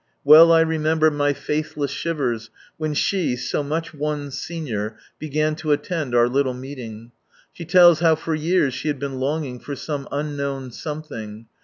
Well I remember my faithless shivers when she, so much one's senior, began to attend our little meeting. She tells how for years she had been longing for some unknown something.